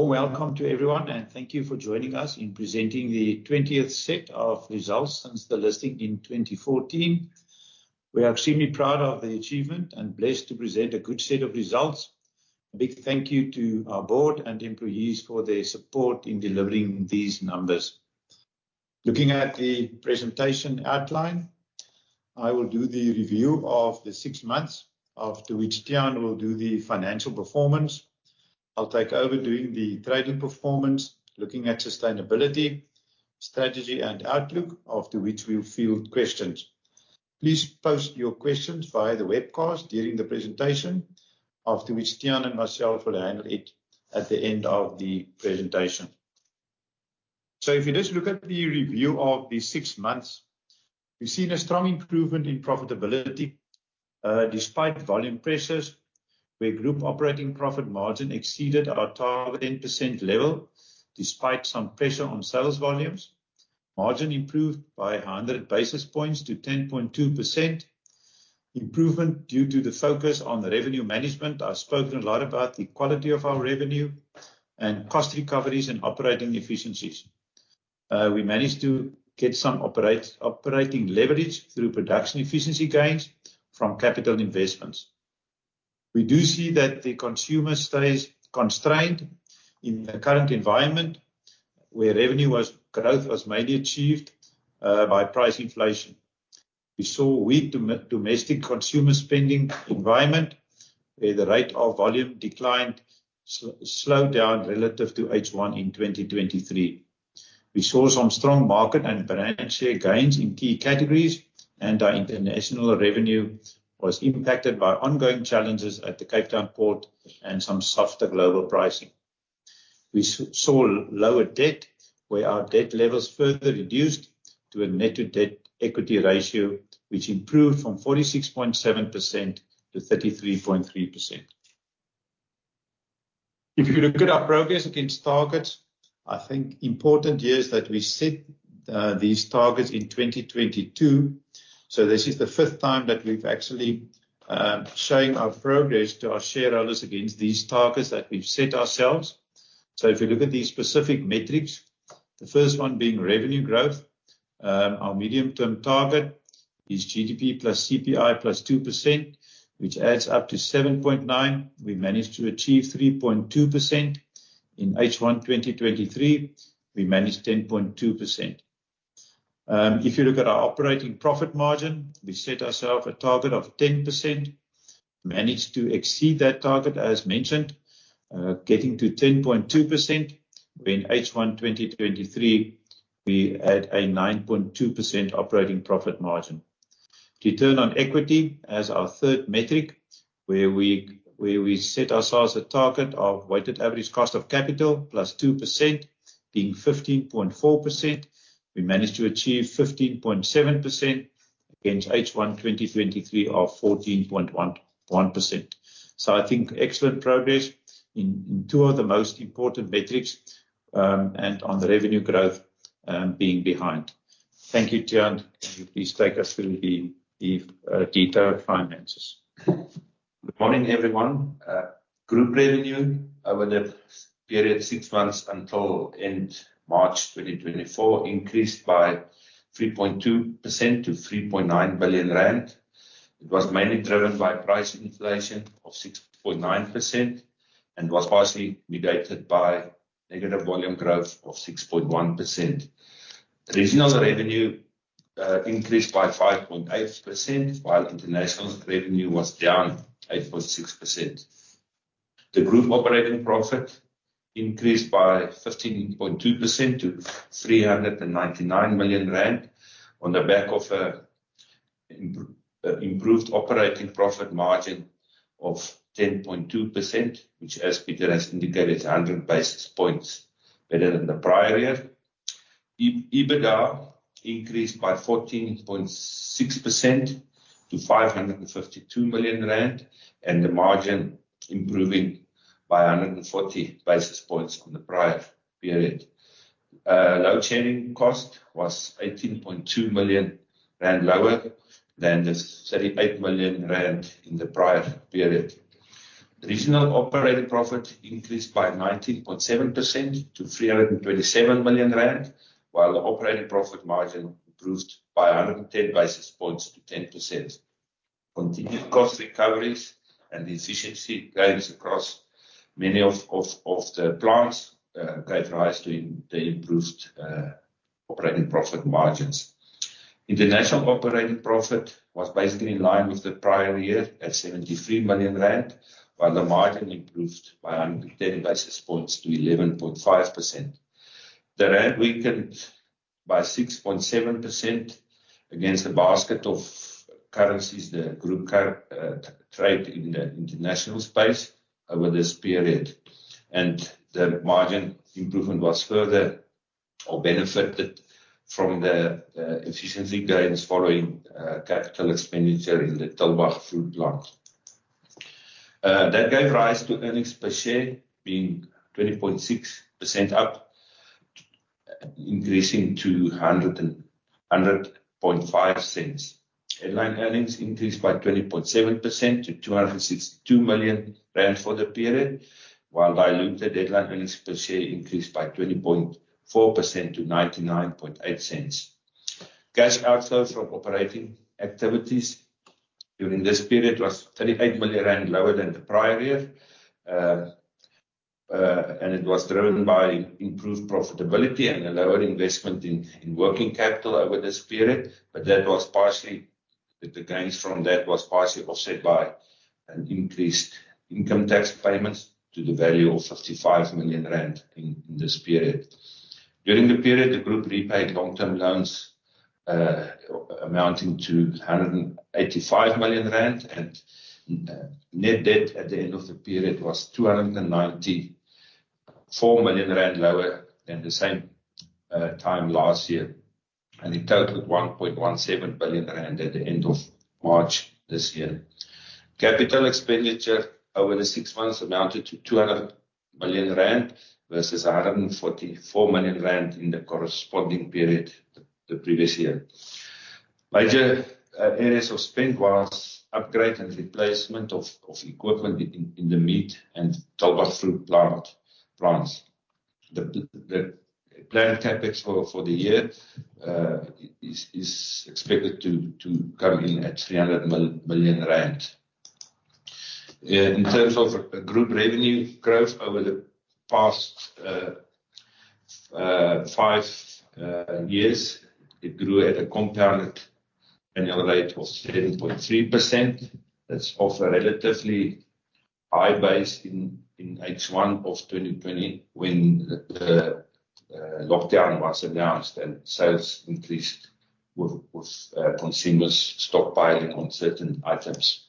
Warm welcome to everyone, and thank you for joining us in presenting the twentieth set of results since the listing in 2014. We are extremely proud of the achievement and blessed to present a good set of results. A big thank you to our board and employees for their support in delivering these numbers. Looking at the presentation outline, I will do the review of the six months, after which Tiaan will do the financial performance. I'll take over doing the trading performance, looking at sustainability, strategy, and outlook, after which we'll field questions. Please post your questions via the webcast during the presentation, after which Tiaan and myself will handle it at the end of the presentation. So if you just look at the review of the six months, we've seen a strong improvement in profitability, despite volume pressures, where group operating profit margin exceeded our target 10% level despite some pressure on sales volumes. Margin improved by 100 basis points to 10.2%. Improvement due to the focus on revenue management. I've spoken a lot about the quality of our revenue and cost recoveries and operating efficiencies. We managed to get some operating leverage through production efficiency gains from capital investments. We do see that the consumer stays constrained in the current environment, where revenue growth was mainly achieved by price inflation. We saw weak domestic consumer spending environment, where the rate of volume decline slowed down relative to H1 in 2023. We saw some strong market and brand share gains in key categories, and our international revenue was impacted by ongoing challenges at the Cape Town port and some softer global pricing. We saw lower debt, where our debt levels further reduced to a net debt-to-equity ratio, which improved from 46.7% to 33.3%. If you look at our progress against targets, I think important here is that we set these targets in 2022, so this is the fifth time that we've actually showing our progress to our shareholders against these targets that we've set ourselves. So if you look at these specific metrics, the first one being revenue growth. Our medium-term target is GDP plus CPI plus 2%, which adds up to 7.9. We managed to achieve 3.2%. In H1 2023, we managed 10.2%. If you look at our operating profit margin, we set ourself a target of 10%, managed to exceed that target, as mentioned, getting to 10.2%, when H1 2023, we had a 9.2% operating profit margin. Return on equity as our third metric, where we set ourselves a target of weighted average cost of capital plus 2% being 15.4%. We managed to achieve 15.7% against H1 2023, of 14.11%. So I think excellent progress in two of the most important metrics, and on the revenue growth being behind. Thank you, Tiaan. Can you please take us through the detailed finances? Good morning, everyone. Group revenue over the period six months until end March 2024 increased by 3.2% to 3.9 billion rand. It was mainly driven by price inflation of 6.9% and was partially mitigated by negative volume growth of 6.1%. Regional revenue increased by 5.8%, while international revenue was down 8.6%. The group operating profit increased by 15.2% to 399 million rand on the back of an improved operating profit margin of 10.2%, which, as Pieter has indicated, is 100 basis points better than the prior year. EBITDA increased by 14.6% to 552 million rand, and the margin improving by 140 basis points on the prior period. Load shedding cost was 18.2 million rand lower than the 38 million rand in the prior period. Regional operating profit increased by 19.7% to 327 million rand, while the operating profit margin improved by 110 basis points to 10%. Continued cost recoveries and efficiency gains across many of the plants gave rise to the improved operating profit margins. International operating profit was basically in line with the prior year at 73 million rand, while the margin improved by 110 basis points to 11.5%. The rand weakened by 6.7% against the basket of currencies, the group currency trade in the international space over this period, and the margin improvement was further or benefited from the efficiency gains following capital expenditure in the Tulbagh fruit plant. That gave rise to earnings per share being 20.6% up, increasing to 101.5 cents. Headline earnings increased by 20.7% to 262 million rand for the period, while diluted headline earnings per share increased by 20.4% to 99.8 cents. Cash outflow from operating activities during this period was 38 million rand lower than the prior year. and it was driven by improved profitability and a lower investment in working capital over this period, but that was partially the gains from that was partially offset by an increased income tax payments to the value of 55 million rand in this period. During the period, the group repaid long-term loans amounting to 185 million rand, and net debt at the end of the period was 294 million rand, lower than the same time last year, and it totaled 1.17 billion rand at the end of March this year. Capital expenditure over the six months amounted to 200 million rand versus 144 million rand in the corresponding period the previous year. Major areas of spend was upgrade and replacement of equipment in the meat and Tulbagh fruit plants. The planned CapEx for the year is expected to come in at 300 million rand. In terms of group revenue growth over the past 5 years, it grew at a compound annual rate of 10.3%. That's off a relatively high base in H1 of 2020, when the lockdown was announced and sales increased with consumers stockpiling on certain items.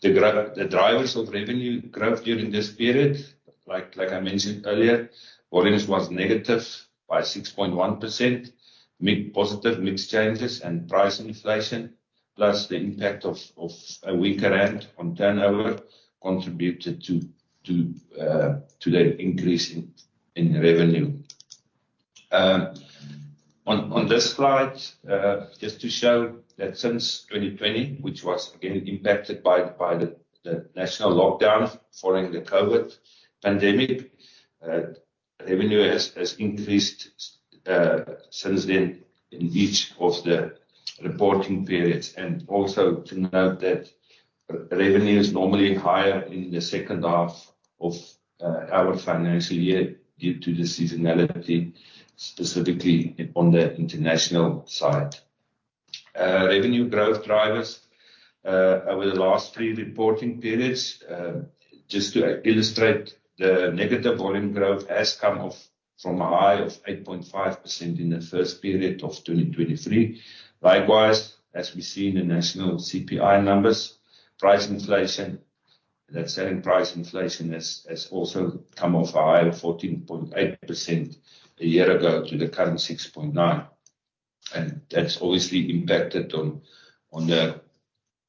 The drivers of revenue growth during this period, like I mentioned earlier, volumes was negative by 6.1%. Mix. Positive mix changes and price inflation, plus the impact of a weaker rand on turnover, contributed to the increase in revenue. On this slide, just to show that since 2020, which was again impacted by the national lockdown following the COVID pandemic, revenue has increased since then in each of the reporting periods. Also, to note that revenue is normally higher in the second half of our financial year due to the seasonality, specifically on the international side. Revenue growth drivers over the last three reporting periods, just to illustrate, the negative volume growth has come off from a high of 8.5% in the first period of 2023. Likewise, as we see in the national CPI numbers, price inflation, that same price inflation has also come off a high of 14.8% a year ago to the current 6.9%. That's obviously impacted on the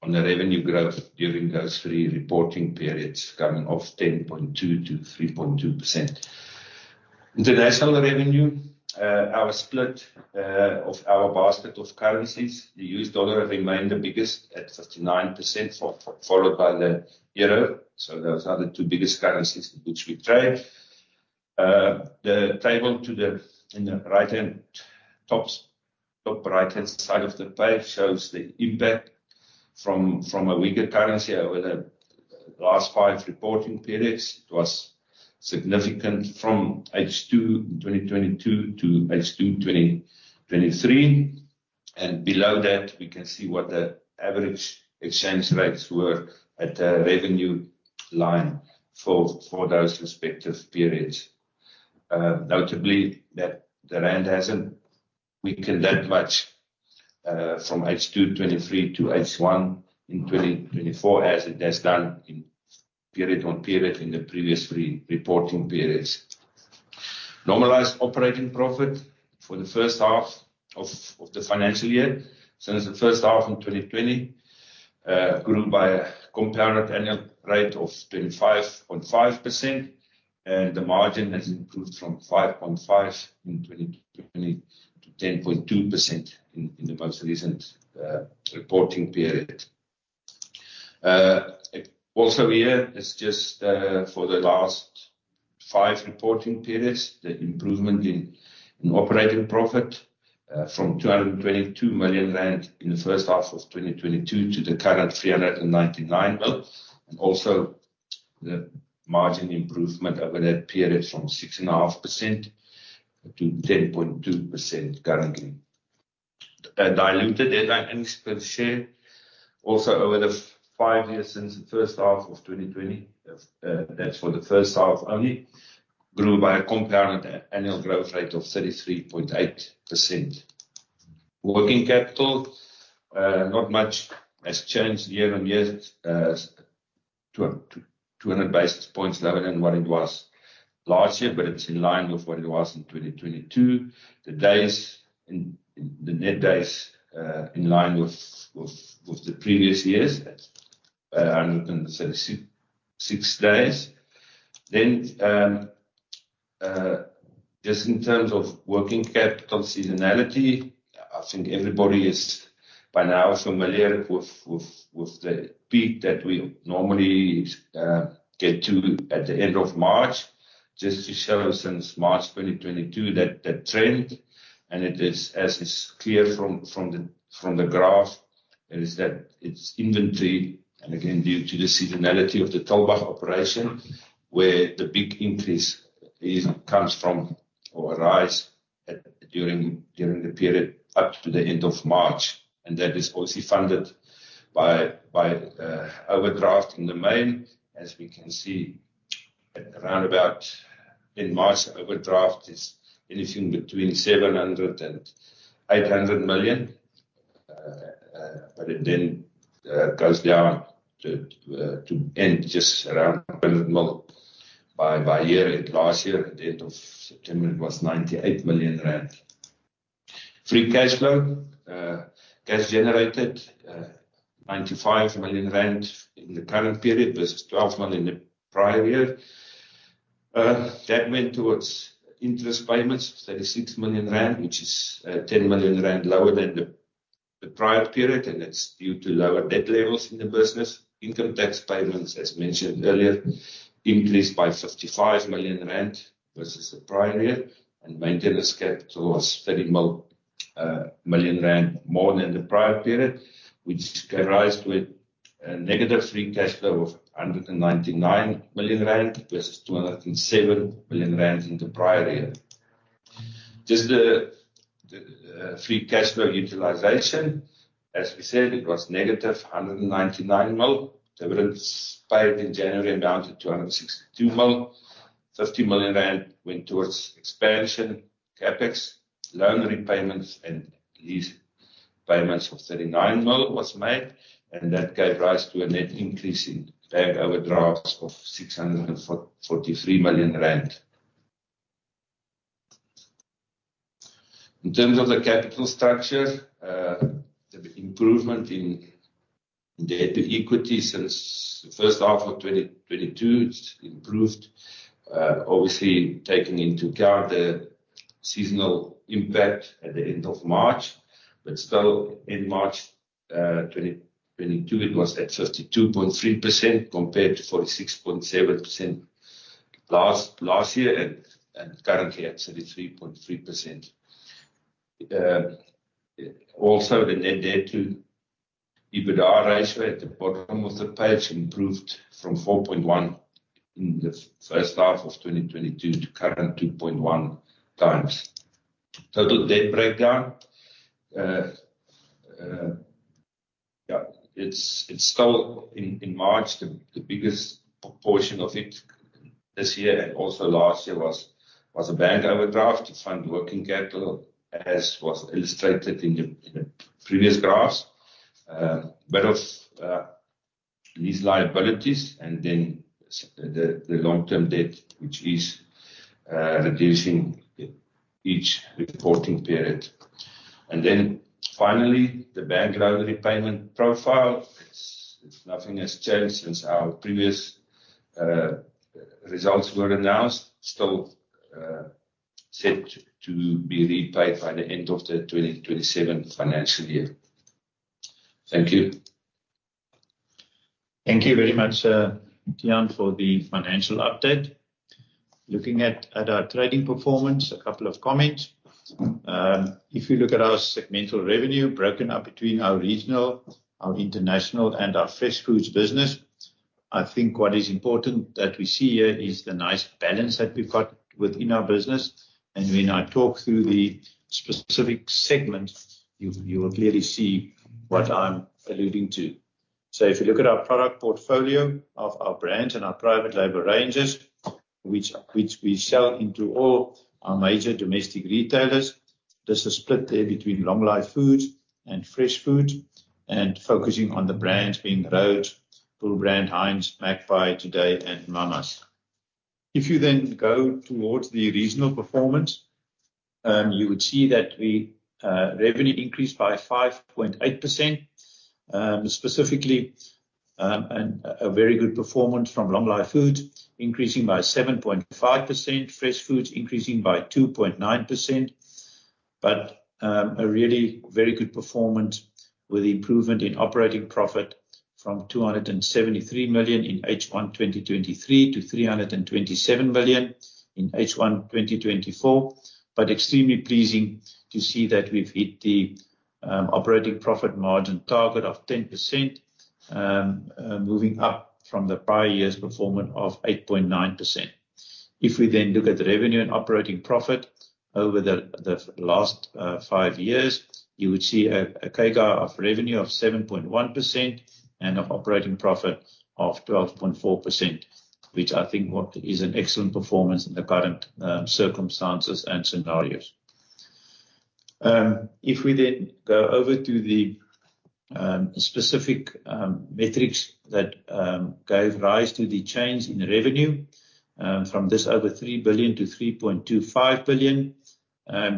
revenue growth during those three reporting periods, coming off 10.2%-3.2%. International revenue, our split of our basket of currencies, the US dollar remained the biggest at 39%, followed by the euro. So those are the two biggest currencies in which we trade. The table in the top right-hand side of the page shows the impact from a weaker currency over the last five reporting periods. It was significant from H2 2022 to H2 2023, and below that, we can see what the average exchange rates were at the revenue line for those respective periods. Notably, that the rand hasn't weakened that much from H2 2023 to H1 2024, as it has done in period on period in the previous three reporting periods. Normalized operating profit for the first half of the financial year. Since the first half in 2020, grew by a compound annual rate of 25.5%, and the margin has improved from 5.5% in 2020 to 10.2% in the most recent reporting period. Also here is just for the last five reporting periods, the improvement in operating profit from 222 million rand in the first half of 2022 to the current 399 million. And also, the margin improvement over that period from 6.5% to 10.2% currently. Diluted headline earnings per share, also over the five years since the first half of 2020. That's for the first half only, grew by a compound annual growth rate of 33.8%. Working capital, not much has changed year-on-year. Two hundred basis points lower than what it was last year, but it's in line with what it was in 2022. The net days in line with the previous years, 136 days. Then, just in terms of working capital seasonality, I think everybody is by now familiar with the peak that we normally get to at the end of March. Just to show since March 2022 that trend, and it is, as is clear from the graph, that it's inventory, and again, due to the seasonality of the Tulbagh operation, where the big increase comes from or arises at during the period up to the end of March. And that is also funded by overdraft in the main, as we can see, at around about in March, overdraft is anything between 700 million and 800 million. But it then goes down to end just around 100 million. By year, at last year, at the end of September, it was 98 million rand. Free cash flow, cash generated, 95 million rand in the current period versus 12 million in the prior year. That went towards interest payments, 36 million rand, which is 10 million rand lower than the prior period, and it's due to lower debt levels in the business. Income tax payments, as mentioned earlier, increased by 55 million rand versus the prior year, and maintenance capital was 30 million rand more than the prior period, which gave rise to a negative free cash flow of 199 million rand versus 207 million rand in the prior year. Just the free cash flow utilization, as we said, it was negative 199 million. Dividends paid in January amounted to 262 million. 50 million rand went towards expansion, CapEx, loan repayments, and lease payments of 39 million was made, and that gave rise to a net increase in bank overdraft of 643 million rand. In terms of the capital structure, the improvement in the debt to equity since the first half of 2022, it's improved. Obviously, taking into account the seasonal impact at the end of March, but still in March 2022, it was at 52.3% compared to 46.7% last year, and currently at 33.3%. Also, the net debt to EBITDA ratio at the bottom of the page improved from 4.1 in the first half of 2022 to current 2.1 times. Total debt breakdown, it's still in March, the biggest portion of it this year and also last year was a bank overdraft to fund working capital, as was illustrated in the previous graphs. But of these liabilities and then the long-term debt, which is reducing each reporting period. And then finally, the bank loan repayment profile. It's nothing has changed since our previous results were announced. Still set to be repaid by the end of the 2027 financial year. Thank you. Thank you very much, Tiaan, for the financial update. Looking at our trading performance, a couple of comments. If you look at our segmental revenue, broken up between our regional, our international, and our fresh foods business, I think what is important that we see here is the nice balance that we've got within our business. When I talk through the specific segments, you will clearly see what I'm alluding to. If you look at our product portfolio of our brands and our private label ranges, which we sell into all our major domestic retailers, there's a split there between long life foods and fresh foods, and focusing on the brands being Rhodes, Bull Brand, Hinds, Magpie, Today, and Mama's. If you then go towards the regional performance, you would see that we revenue increased by 5.8%. Specifically, and a very good performance from long life food, increasing by 7.5%, fresh foods increasing by 2.9%. But, a really very good performance with improvement in operating profit from 273 million in H1 2023 to 327 million in H1 2024. But extremely pleasing to see that we've hit the operating profit margin target of 10%, moving up from the prior year's performance of 8.9%. If we then look at the revenue and operating profit over the last five years, you would see a CAGR of revenue of 7.1% and of operating profit of 12.4%, which I think what is an excellent performance in the current circumstances and scenarios. If we then go over to the specific metrics that gave rise to the change in revenue from this over 3 billion to 3.25 billion.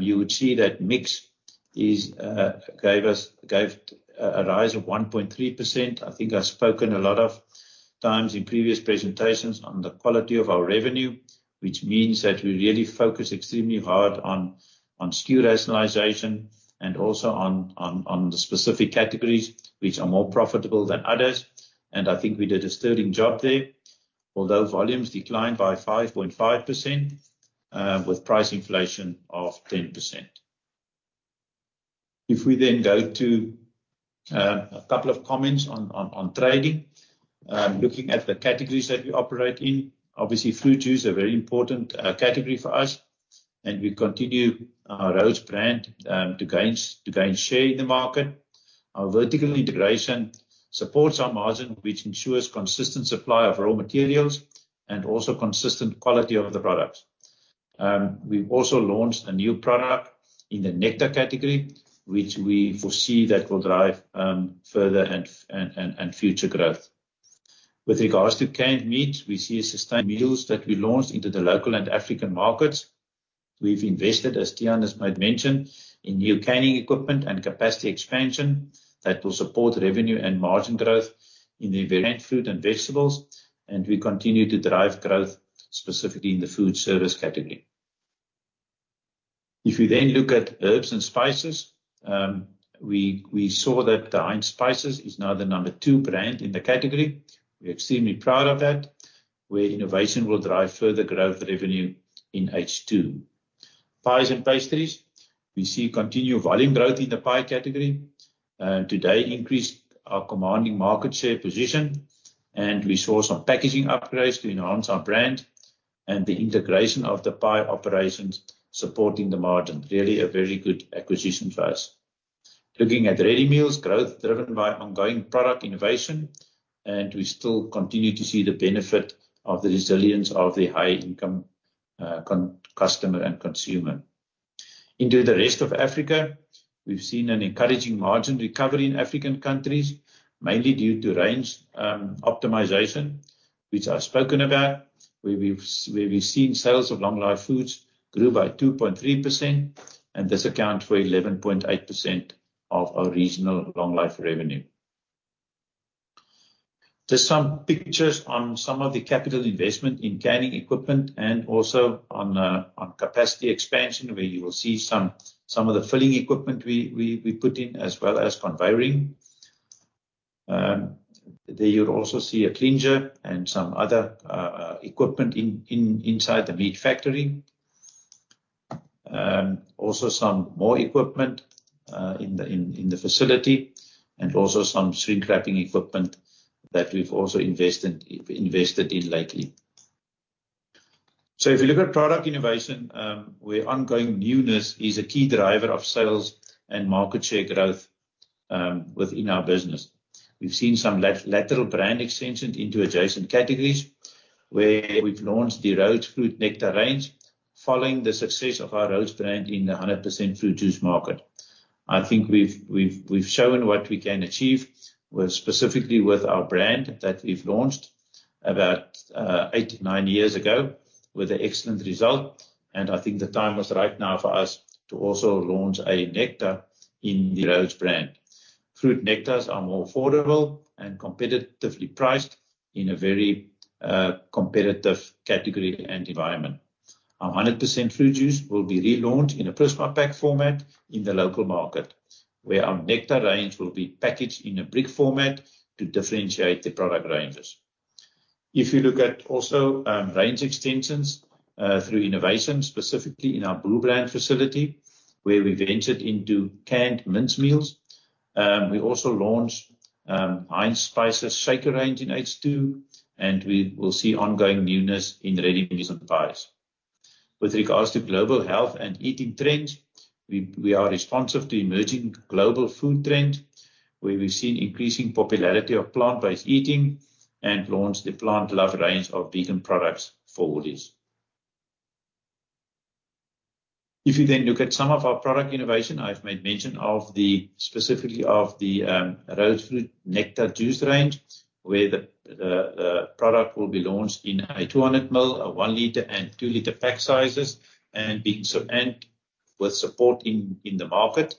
You would see that mix gave us a rise of 1.3%. I think I've spoken a lot of times in previous presentations on the quality of our revenue, which means that we really focus extremely hard on SKU rationalization, and also on the specific categories which are more profitable than others, and I think we did a sterling job there. Although volumes declined by 5.5%, with price inflation of 10%. If we then go to a couple of comments on trading. Looking at the categories that we operate in, obviously, fruit juice are very important category for us, and we continue our Rhodes brand to gain share in the market. Our vertical integration supports our margin, which ensures consistent supply of raw materials, and also consistent quality of the products. We've also launched a new product in the nectar category, which we foresee that will drive further and future growth. With regards to canned meat, we see a sustained meals that we launched into the local and African markets. We've invested, as Tiaan has made mention, in new canning equipment and capacity expansion that will support revenue and margin growth in the event fruit and vegetables, and we continue to drive growth, specifically in the food service category. If you then look at herbs and spices, we saw that the Hinds Spices is now the number two brand in the category. We're extremely proud of that, where innovation will drive further growth revenue in H2. Pies and pastries. We see continued volume growth in the pie category, Today increased our commanding market share position, and we saw some packaging upgrades to enhance our brand, and the integration of the pie operations supporting the margin. Really a very good acquisition for us. Looking at ready meals, growth driven by ongoing product innovation, and we still continue to see the benefit of the resilience of the high income customer and consumer. Into the rest of Africa, we've seen an encouraging margin recovery in African countries, mainly due to range optimization, which I've spoken about, where we've seen sales of long-life foods grew by 2.3%, and this account for 11.8% of our regional long-life revenue. Just some pictures on some of the capital investment in canning equipment and also on the capacity expansion, where you will see some of the filling equipment we put in, as well as conveying. There you'll also see a clincher and some other equipment inside the meat factory. Also some more equipment in the facility, and also some shrink wrapping equipment that we've invested in lately. So if you look at product innovation, where ongoing newness is a key driver of sales and market share growth, within our business. We've seen some lateral brand extension into adjacent categories, where we've launched the Rhodes Fruit Nectar range, following the success of our Rhodes brand in the 100% fruit juice market. I think we've shown what we can achieve with, specifically with our brand that we've launched about 8-9 years ago, with an excellent result, and I think the time is right now for us to also launch a nectar in the Rhodes brand. Fruit nectars are more affordable and competitively priced in a very competitive category and environment. Our 100% fruit juice will be relaunched in a Prisma Pack format in the local market, where our nectar range will be packaged in a brick format to differentiate the product ranges. If you look at also, range extensions, through innovation, specifically in our Bull Brand facility, where we ventured into canned mince meals. We also launched Hinds Spices Shaker range in H2, and we will see ongoing newness in ready meals and pies. With regards to global health and eating trends, we, we are responsive to emerging global food trends, where we've seen increasing popularity of plant-based eating and launched the PlantLove range of vegan products for Woolies. If you then look at some of our product innovation, I've made mention of the... Specifically of the Rhodes fruit nectar juice range, where the product will be launched in a 200 ml, a 1-liter, and 2-liter pack sizes, and with support in the market.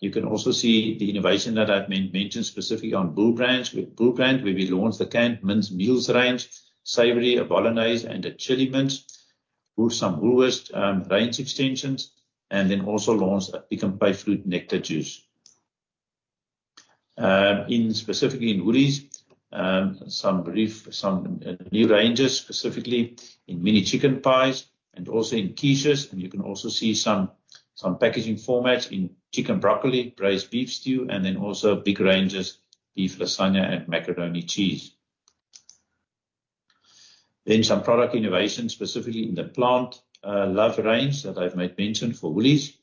You can also see the innovation that I've mentioned specifically on Bull Brand. With Bull Brand, where we launched the canned mince meals range: savory, a bolognese, and a chili mince, with some newest range extensions, and then also launched a pecan pie fruit nectar juice. Specifically in Woolies, some new ranges, specifically in mini chicken pies and also in quiches. And you can also see some packaging formats in chicken broccoli, braised beef stew, and then also big ranges, beef lasagna and macaroni cheese. Then some product innovation, specifically in the PlantLove range that I've made mention for Woolies.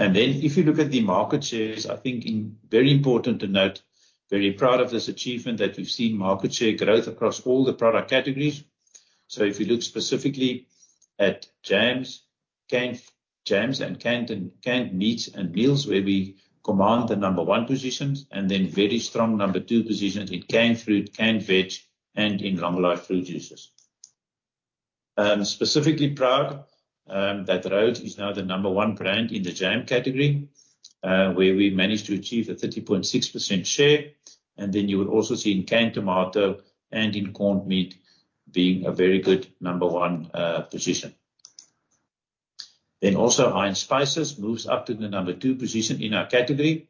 And then if you look at the market shares, I think it's very important to note, very proud of this achievement, that we've seen market share growth across all the product categories. So if you look specifically at jams, canned jams, and canned meats and meals, where we command the number one positions, and then very strong number two positions in canned fruit, canned veg, and in long life fruit juices. Specifically proud that Rhodes is now the number one brand in the jam category, where we managed to achieve a 30.6% share. And then you will also see in canned tomato and in corned meat being a very good number one position. Then also, Hinds Spices moves up to the number two position in our category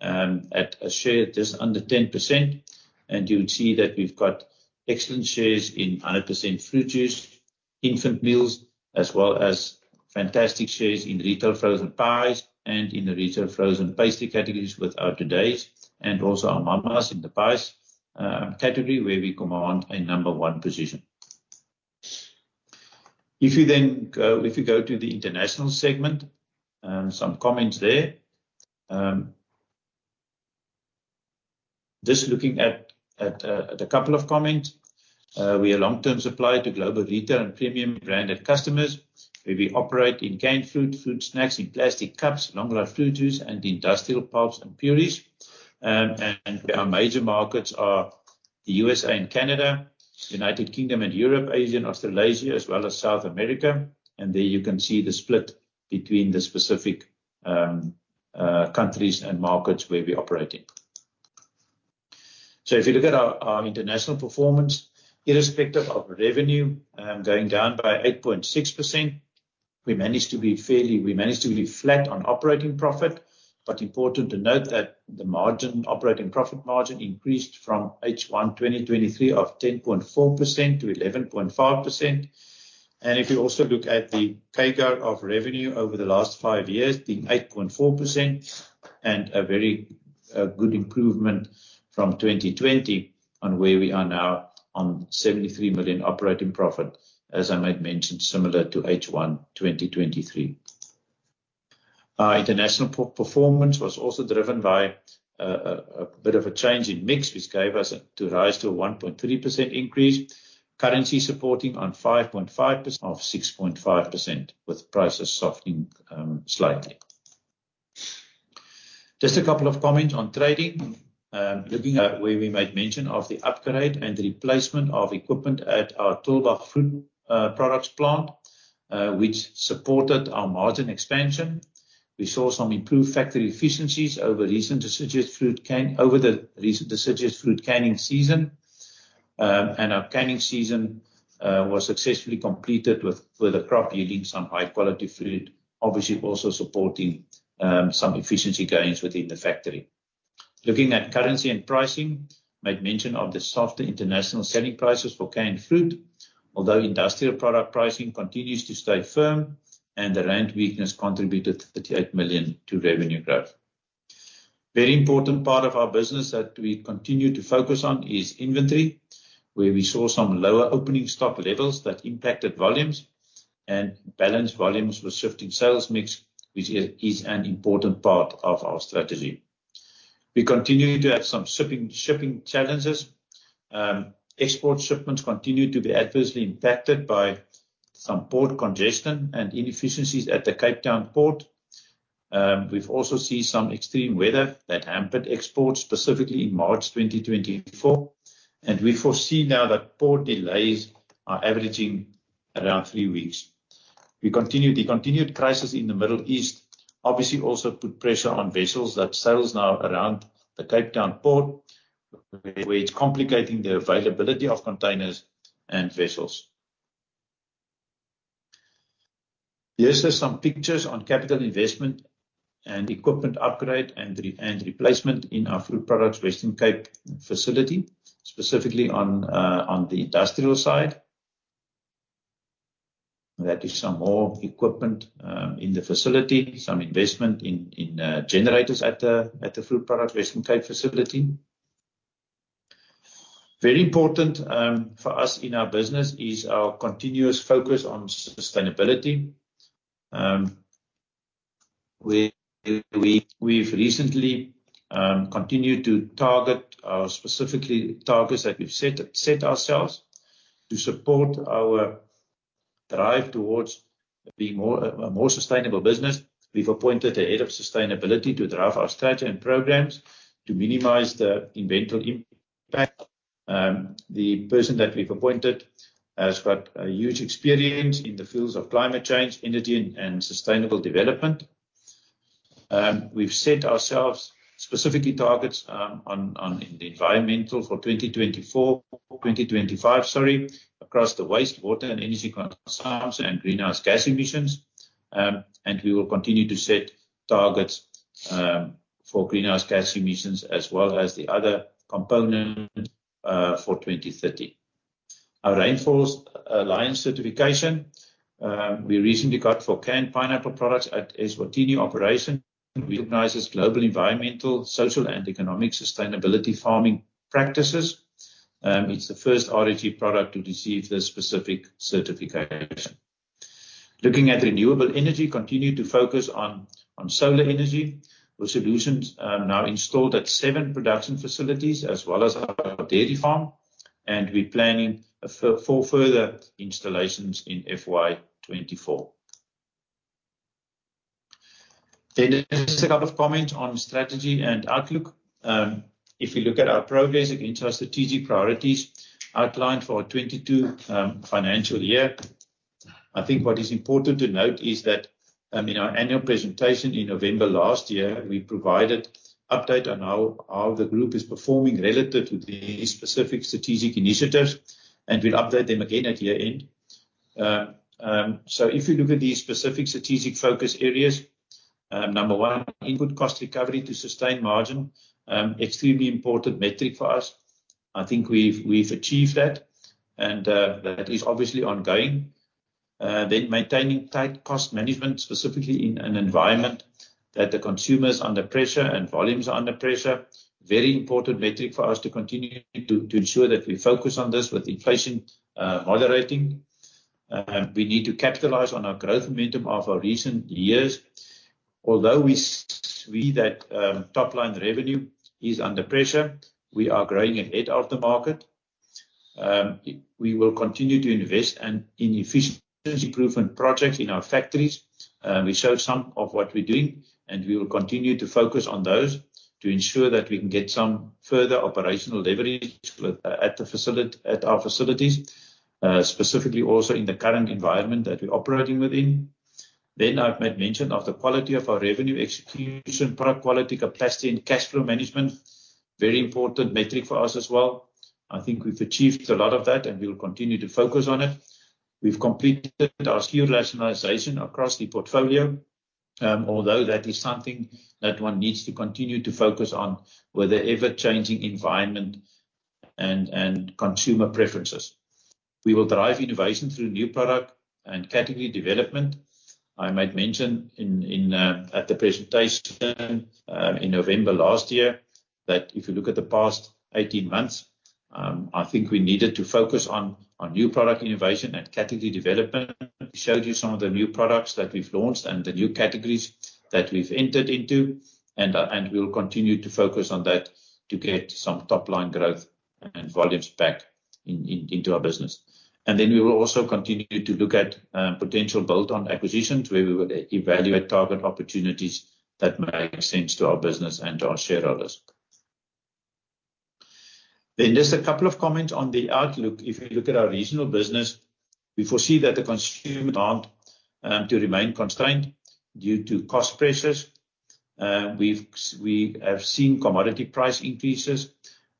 at a share just under 10%. And you would see that we've got excellent shares in 100% fruit juice, infant meals, as well as fantastic shares in retail frozen pies and in the retail frozen pastry categories with our Today’s, and also our Mama’s in the pies category, where we command a number one position. If you then go to the international segment, some comments there. Just looking at a couple of comments. We are long-term supplier to global retail and premium branded customers, where we operate in canned fruit, fruit snacks in plastic cups, long-life fruit juice, and industrial pulps and purees. And our major markets are the USA and Canada, United Kingdom and Europe, Asia and Australasia, as well as South America. And there you can see the split between the specific countries and markets where we operate in. So if you look at our international performance, irrespective of revenue going down by 8.6%, we managed to be fairly flat on operating profit. But important to note that the margin, operating profit margin increased from H1 2023 of 10.4% to 11.5%. And if you also look at the CAGR of revenue over the last five years, being 8.4%, and a very good improvement from 2020 on where we are now on 73 million operating profit, as I made mention, similar to H1 2023. Our international performance was also driven by a bit of a change in mix, which gave rise to a 1.3% increase. Currency supporting on 5.5% of 6.5%, with prices softening slightly. Just a couple of comments on trading. Looking at where we made mention of the upgrade and replacement of equipment at our Tulbagh Fruit products plant, which supported our margin expansion. We saw some improved factory efficiencies over the recent deciduous fruit canning season. And our canning season was successfully completed with the crop yielding some high-quality fruit, obviously also supporting some efficiency gains within the factory. Looking at currency and pricing, made mention of the softer international selling prices for canned fruit, although industrial product pricing continues to stay firm, and the rand weakness contributed 38 million to revenue growth. Very important part of our business that we continue to focus on is inventory, where we saw some lower opening stock levels that impacted volumes, and balanced volumes with shifting sales mix, which is an important part of our strategy. We continue to have some shipping challenges. Export shipments continue to be adversely impacted by some port congestion and inefficiencies at the Cape Town port. We've also seen some extreme weather that hampered exports, specifically in March 2024, and we foresee now that port delays are averaging around three weeks. We continue. The continued crisis in the Middle East, obviously, also put pressure on vessels that sails now around the Cape Town port, where it's complicating the availability of containers and vessels. Here are some pictures on capital investment and equipment upgrade, and re- and replacement in our fruit products Western Cape facility, specifically on, on the industrial side. That is some more equipment, in the facility, some investment in, in, generators at the, at the fruit product Western Cape facility. Very important, for us in our business is our continuous focus on sustainability. Where we, we've recently, continued to target our specifically targets that we've set, set ourselves to support our drive towards being more, a more sustainable business. We've appointed a head of sustainability to drive our strategy and programs to minimize the environmental impact. The person that we've appointed has got a huge experience in the fields of climate change, energy and sustainable development. We've set ourselves specific targets on environmental for 2024, 2025, across the waste, water, and energy consumptions and greenhouse gas emissions. We will continue to set targets for greenhouse gas emissions, as well as the other components, for 2030. Our Rainforest Alliance certification, we recently got for canned pineapple products at Eswatini operation, recognizes global environmental, social, and economic sustainability farming practices. It's the first RFG product to receive this specific certification. Looking at renewable energy, continue to focus on solar energy, with solutions now installed at seven production facilities, as well as our dairy farm, and we're planning for further installations in FY 2024. Then just a couple of comments on strategy and outlook. If you look at our progress against our strategic priorities outlined for our 2022 financial year, I think what is important to note is that, in our annual presentation in November last year, we provided update on how the group is performing relative to the specific strategic initiatives, and we'll update them again at year-end. So if you look at these specific strategic focus areas, number one, input cost recovery to sustain margin, extremely important metric for us. I think we've achieved that, and that is obviously ongoing. Then maintaining tight cost management, specifically in an environment that the consumer is under pressure and volumes are under pressure, very important metric for us to continue to ensure that we focus on this with inflation moderating. We need to capitalize on our growth momentum of our recent years. Although we see that top-line revenue is under pressure, we are growing ahead of the market. We will continue to invest in efficiency improvement projects in our factories. We showed some of what we're doing, and we will continue to focus on those to ensure that we can get some further operational leverage at our facilities, specifically also in the current environment that we're operating within. I've made mention of the quality of our revenue execution, product quality, capacity, and cash flow management, very important metric for us as well. I think we've achieved a lot of that, and we will continue to focus on it. We've completed our SKU rationalization across the portfolio, although that is something that one needs to continue to focus on with the ever-changing environment and consumer preferences. We will drive innovation through new product and category development. I made mention in at the presentation in November last year, that if you look at the past 18 months, I think we needed to focus on new product innovation and category development. We showed you some of the new products that we've launched and the new categories that we've entered into, and we will continue to focus on that to get some top-line growth and volumes back in into our business. And then we will also continue to look at potential build-on acquisitions, where we will evaluate target opportunities that make sense to our business and to our shareholders. Then just a couple of comments on the outlook. If you look at our regional business, we foresee that the consumer demand to remain constrained due to cost pressures. We have seen commodity price increases,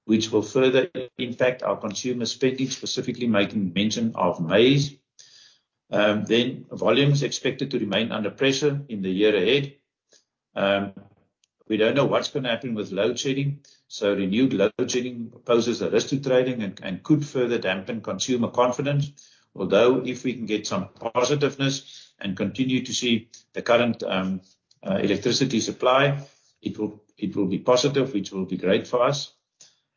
which will further impact our consumer spending, specifically making mention of maize. Then volume is expected to remain under pressure in the year ahead. We don't know what's gonna happen with load shedding, so renewed load shedding poses a risk to trading and could further dampen consumer confidence. Although, if we can get some positiveness and continue to see the current electricity supply, it will, it will be positive, which will be great for us.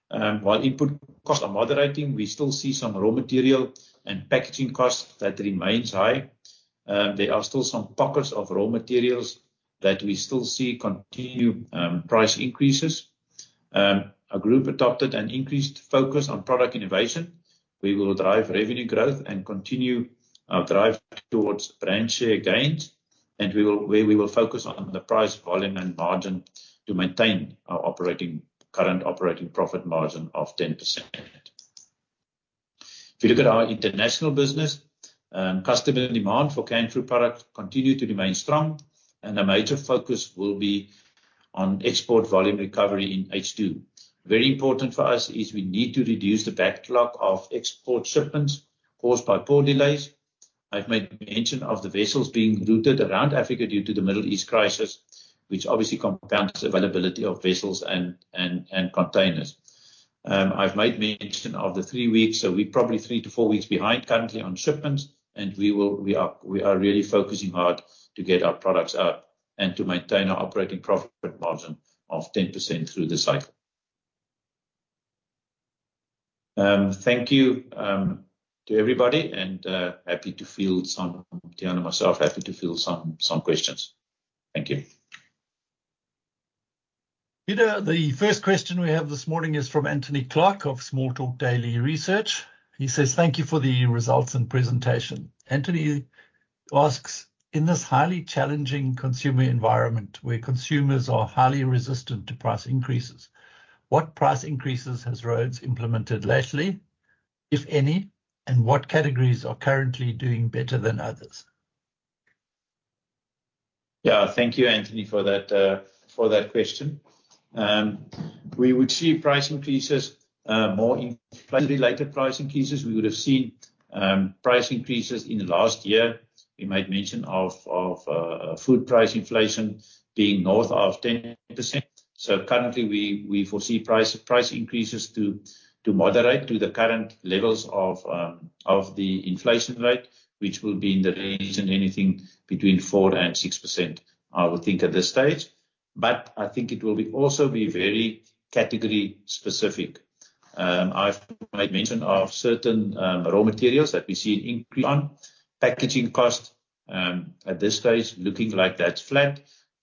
While input costs are moderating, we still see some raw material and packaging costs that remains high. There are still some pockets of raw materials that we still see continued, price increases. Our group adopted an increased focus on product innovation. We will drive revenue growth and continue our drive towards branch share gains, and we will... where we will focus on the price, volume, and margin to maintain our operating, current operating profit margin of 10%. If you look at our international business, customer demand for cane sugar product continue to remain strong, and a major focus will be on export volume recovery in H2. Very important for us is we need to reduce the backlog of export shipments caused by port delays. I've made mention of the vessels being routed around Africa due to the Middle East crisis, which obviously compounds availability of vessels and containers. I've made mention of the three weeks, so we're probably 3-4 weeks behind currently on shipments, and we are, we are really focusing hard to get our products out and to maintain our operating profit margin of 10% through the cycle. Thank you to everybody, and happy to field some... Tiaan and myself, happy to field some, some questions. Thank you. Pieter, the first question we have this morning is from Anthony Clark of Small Talk Daily Research. He says, "Thank you for the results and presentation." Anthony asks: In this highly challenging consumer environment, where consumers are highly resistant to price increases, what price increases has Rhodes implemented lately, if any, and what categories are currently doing better than others? Yeah. Thank you, Anthony, for that, for that question. We would see price increases, more in slightly later price increases. We would have seen, price increases in the last year. We made mention of, of, food price inflation being north of 10%, so currently we, we foresee price, price increases to, to moderate to the current levels of, of the inflation rate, which will be in the range in anything between 4%-6%, I would think, at this stage... but I think it will be also be very category specific. I've made mention of certain, raw materials that we see an increase on, packaging cost, at this stage, looking like that's flat.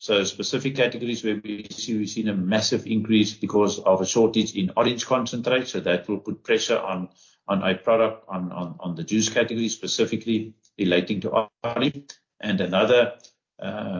So specific categories where we've seen a massive increase because of a shortage in orange concentrate, so that will put pressure on the juice category, specifically relating to orange. And another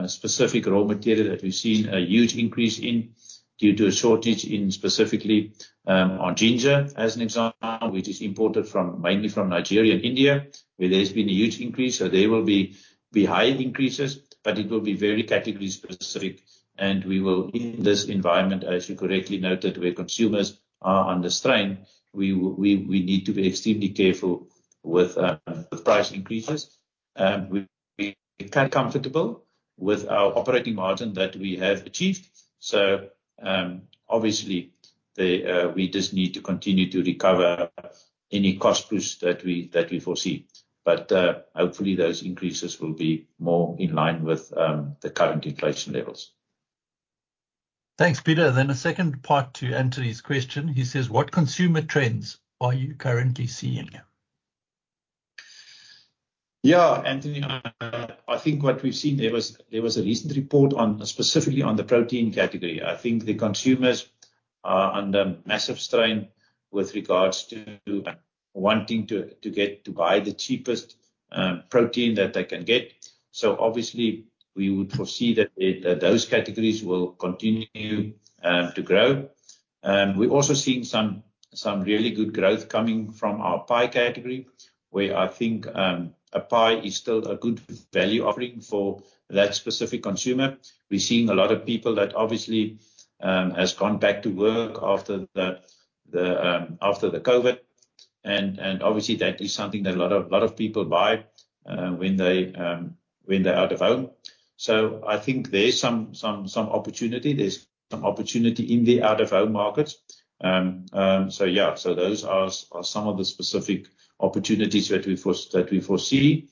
specific raw material that we've seen a huge increase in due to a shortage in specifically on ginger, as an example, which is imported mainly from Nigeria and India, where there's been a huge increase, so there will be high increases, but it will be very category specific. And we will, in this environment, as you correctly noted, where consumers are under strain, we need to be extremely careful with the price increases. We're quite comfortable with our operating margin that we have achieved. So, obviously, we just need to continue to recover any cost push that we foresee. But, hopefully, those increases will be more in line with the current inflation levels. Thanks, Pieter. A second part to Anthony's question. He says: "What consumer trends are you currently seeing? Yeah, Anthony, I think what we've seen there was a recent report specifically on the protein category. I think the consumers are under massive strain with regards to wanting to get to buy the cheapest protein that they can get. So obviously, we would foresee that those categories will continue to grow. We've also seen some really good growth coming from our pie category, where I think a pie is still a good value offering for that specific consumer. We've seen a lot of people that obviously has gone back to work after the COVID, and obviously, that is something that a lot of people buy when they're out of home. So I think there is some opportunity in the out-of-home markets. So yeah, so those are some of the specific opportunities that we foresee.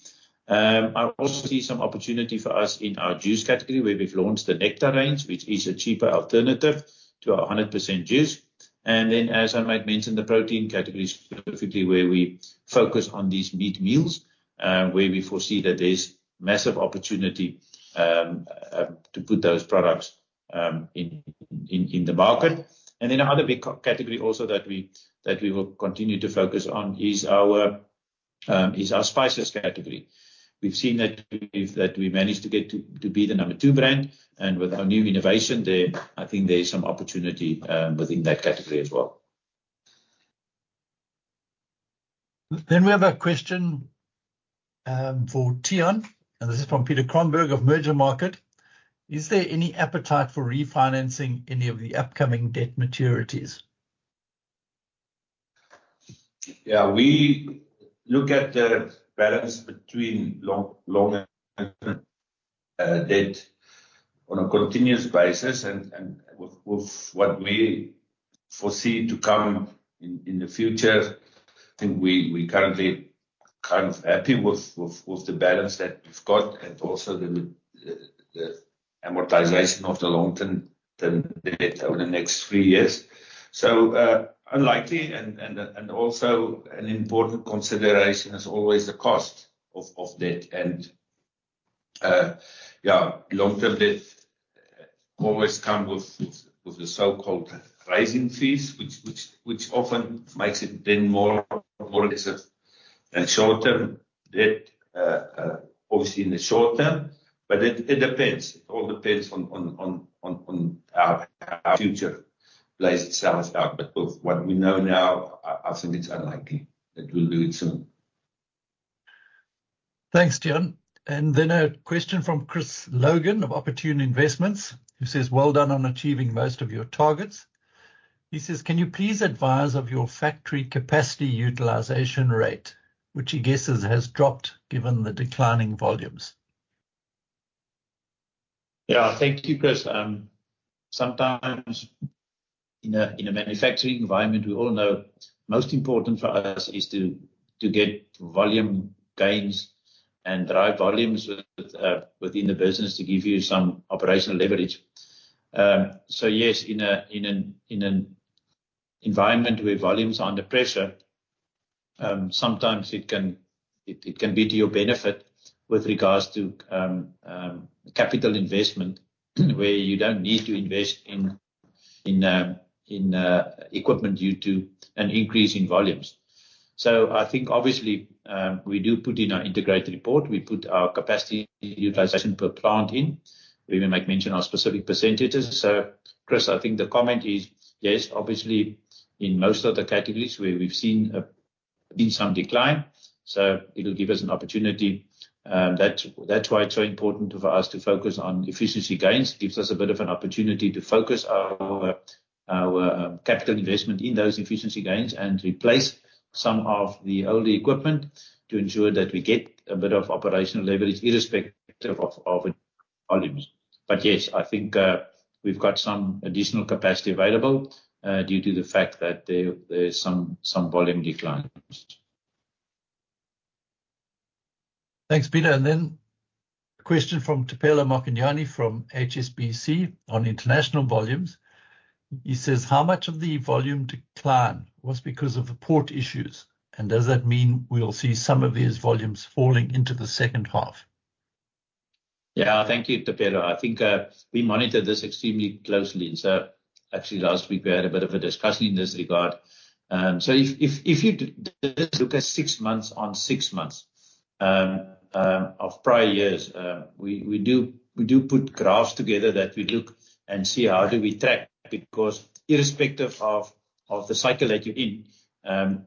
I also see some opportunity for us in our juice category, where we've launched the nectar range, which is a cheaper alternative to our 100% juice. And then, as I might mention, the protein category specifically, where we focus on these meat meals, where we foresee that there's massive opportunity to put those products in the market. And then another big category also that we will continue to focus on is our spices category. We've seen that we managed to get to be the number two brand, and with our new innovation there, I think there is some opportunity within that category as well. We have a question, for Tiaan, and this is from Peter Cromberge of Mergermarket: "Is there any appetite for refinancing any of the upcoming debt maturities? Yeah. We look at the balance between long and debt on a continuous basis, and with what we foresee to come in the future, I think we currently kind of happy with the balance that we've got and also the amortization of the long-term debt over the next three years. So, unlikely, and also an important consideration is always the cost of debt. And, yeah, long-term debt always come with the so-called rising fees, which often makes it then more or less a short-term debt, obviously, in the short term, but it depends. It all depends on how our future plays itself out. But with what we know now, I think it's unlikely that we'll do it soon. Thanks, Tiaan. Then a question from Chris Logan of Opportune Investments, who says, "Well done on achieving most of your targets." He says, "Can you please advise of your factory capacity utilization rate?" which he guesses has dropped, given the declining volumes. Yeah. Thank you, Chris. Sometimes in a manufacturing environment, we all know most important for us is to get volume gains and drive volumes within the business to give you some operational leverage. So yes, in an environment where volumes are under pressure, sometimes it can be to your benefit with regards to capital investment, where you don't need to invest in equipment due to an increase in volumes. So I think, obviously, we do put in our integrated report, we put our capacity utilization per plant in. We will make mention our specific percentages. So Chris, I think the comment is, yes, obviously, in most of the categories where we've seen some decline, so it'll give us an opportunity. That's why it's so important for us to focus on efficiency gains. Gives us a bit of an opportunity to focus our capital investment in those efficiency gains and replace some of the older equipment to ensure that we get a bit of operational leverage, irrespective of volumes. But yes, I think, we've got some additional capacity available due to the fact that there is some volume declines.... Thanks, Pieter. And then question from Thapelo Mokonyane from HSBC on international volumes. He says, "How much of the volume decline was because of the port issues, and does that mean we'll see some of these volumes falling into the second half? Yeah. Thank you, Thapelo. I think we monitor this extremely closely. So actually, last week we had a bit of a discussion in this regard. So if, if, if you just look at six months, on six months of prior years, we do put graphs together that we look and see how do we track. Because irrespective of the cycle that you're in,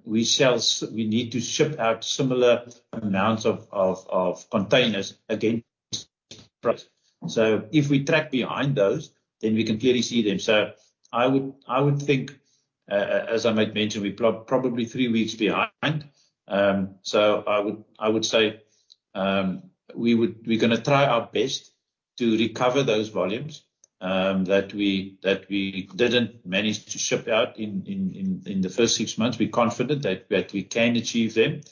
we sell-- we need to ship out similar amounts of containers against price. So if we track behind those, then we can clearly see them. So I would think, as I might mention, we're probably three weeks behind. So I would say we're gonna try our best to recover those volumes that we didn't manage to ship out in the first six months. We're confident that we can achieve them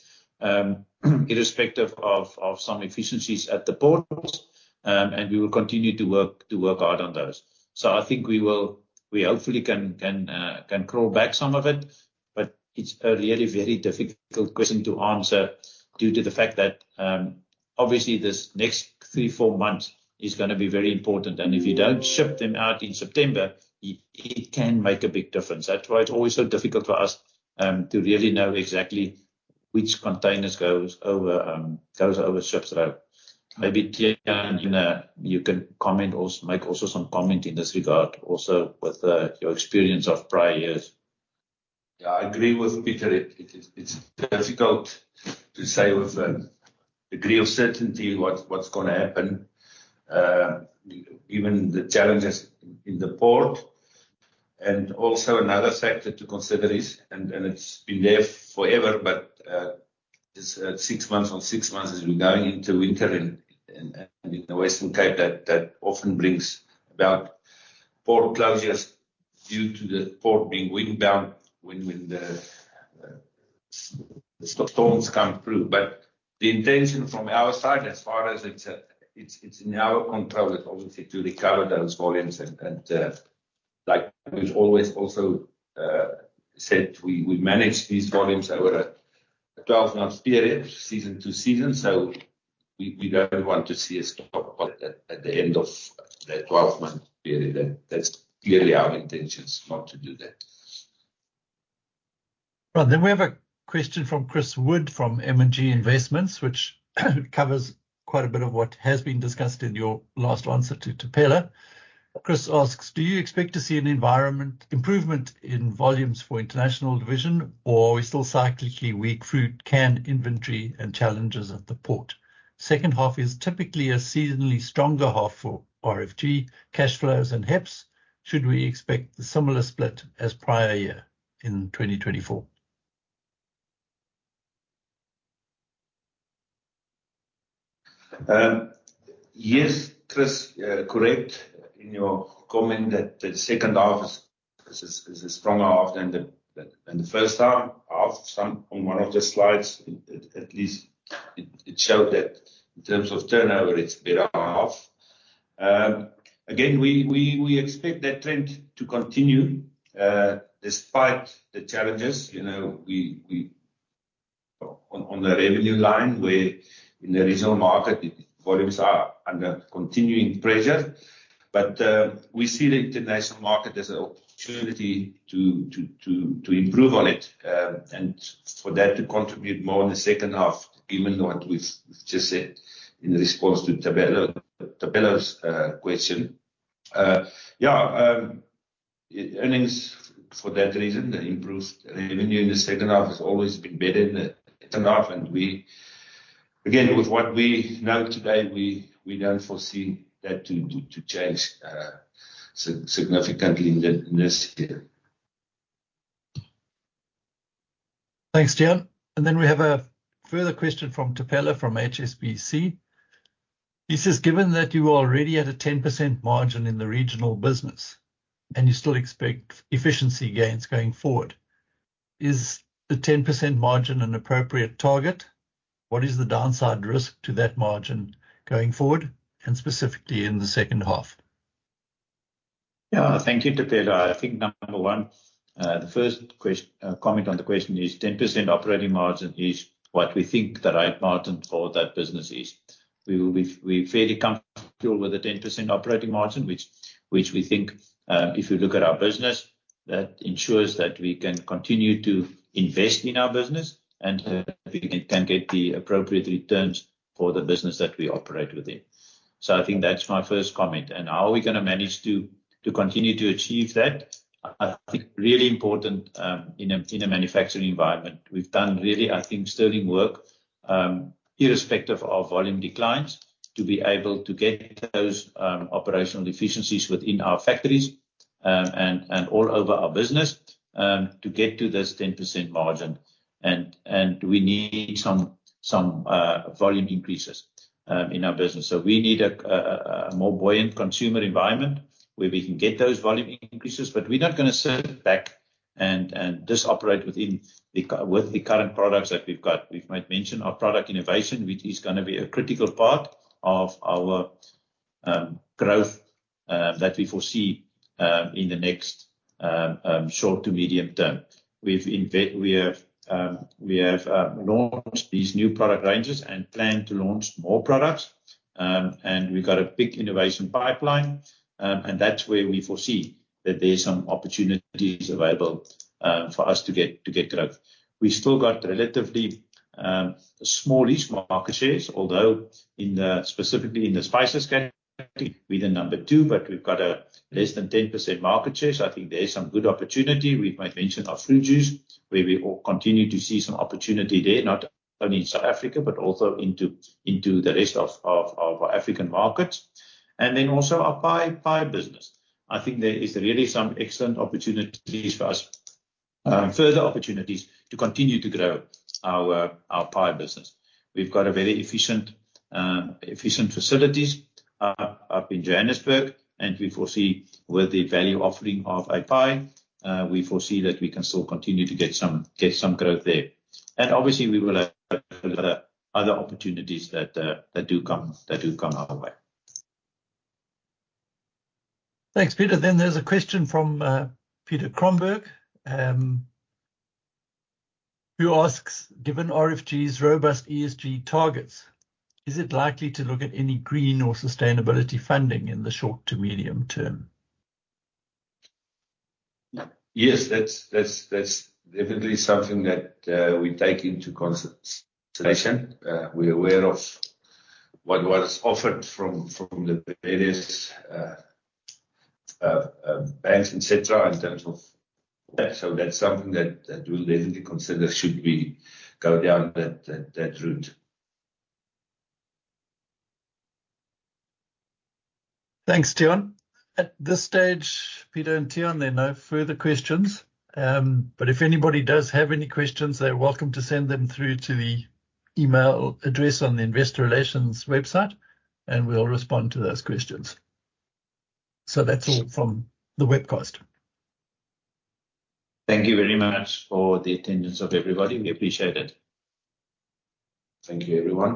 irrespective of some inefficiencies at the ports. And we will continue to work hard on those. So I think we will. We hopefully can crawl back some of it, but it's a really very difficult question to answer due to the fact that obviously this next three, four months is gonna be very important. And if you don't ship them out in September, it can make a big difference. That's why it's always so difficult for us to really know exactly which containers goes over shipping route. Maybe, Tiaan, you know, you can comment also, make also some comment in this regard, also with your experience of prior years. Yeah, I agree with Pieter. It is, it's difficult to say with degree of certainty what's gonna happen. Even the challenges in the port. And also another factor to consider is, and it's been there forever, but is six months on six months, as we're going into winter and in the Western Cape, that often brings about port closures due to the port being windbound when the storms come through. But the intention from our side, as far as it's in our control, is obviously to recover those volumes. And like we've always also said, we manage these volumes over a twelve-month period, season to season, so we don't want to see a stop at the end of the twelve-month period. That, that's clearly our intention, is not to do that. Well, then, we have a question from Chris Wood, from M&G Investments, which covers quite a bit of what has been discussed in your last answer to Thapelo. Chris asks, "Do you expect to see an environment improvement in volumes for international division, or are we still cyclically weak fruit, can inventory and challenges at the port? Second half is typically a seasonally stronger half for RFG cash flows and HEPS. Should we expect the similar split as prior year in 2024? Yes, Chris, correct in your comment that the second half is a stronger half than the first half. Some on one of the slides, at least, it showed that in terms of turnover, it's better half. Again, we expect that trend to continue, despite the challenges, you know, we. On the revenue line, where in the regional market, volumes are under continuing pressure. But we see the international market as an opportunity to improve on it, and for that to contribute more in the second half, given what we've just said in response to Thapelo's question. Yeah, earnings for that reason, the improved revenue in the second half has always been better than the first half, and again, with what we know today, we don't foresee that to change significantly in this year. Thanks, Tiaan. And then we have a further question from Thapelo, from HSBC. He says: "Given that you are already at a 10% margin in the regional business, and you still expect efficiency gains going forward, is the 10% margin an appropriate target? What is the downside risk to that margin going forward and specifically in the second half? Yeah. Thank you, Thapelo. I think, number one, the first comment on the question is, 10% operating margin is what we think the right margin for that business is. We're fairly comfortable with the 10% operating margin, which, which we think, if you look at our business, that ensures that we can continue to invest in our business, and we can get the appropriate returns for the business that we operate within. So I think that's my first comment. And how are we gonna manage to, to continue to achieve that? I think really important in a manufacturing environment, we've done really, I think, sterling work, irrespective of volume declines, to be able to get those operational efficiencies within our factories, and all over our business, to get to this 10% margin. And we need some volume increases in our business. So we need a more buoyant consumer environment where we can get those volume increases, but we're not gonna sit back and just operate within the cur- with the current products that we've got. We might mention our product innovation, which is gonna be a critical part of our growth that we foresee in the next short to medium term. We have launched these new product ranges and plan to launch more products. We've got a big innovation pipeline, and that's where we foresee that there are some opportunities available for us to get growth. We've still got relatively smallish market shares, although specifically in the spices category, we are number two, but we've got a less than 10% market share, so I think there is some good opportunity. We might mention our fruit juice, where we all continue to see some opportunity there, not only in South Africa, but also into the rest of our African markets, and then also our pie business. I think there is really some excellent opportunities for us, further opportunities to continue to grow our pie business. We've got a very efficient facilities up in Johannesburg, and we foresee with the value offering of a pie, we foresee that we can still continue to get some growth there. And obviously, we will have other opportunities that do come our way. Thanks, Pieter. Then there's a question from Pieter Kronberg, who asks: Given RFG's robust ESG targets, is it likely to look at any green or sustainability funding in the short to medium term? Yes, that's definitely something that we take into consideration. We're aware of what was offered from the various banks, et cetera, in terms of that. So that's something that we'll definitely consider should we go down that route. Thanks, Tiaan. At this stage, Pieter and Tiaan, there are no further questions. But if anybody does have any questions, they're welcome to send them through to the email address on the investor relations website, and we'll respond to those questions. That's all from the webcast. Thank you very much for the attendance of everybody. We appreciate it. Thank you, everyone.